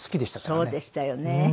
そうでしたよね。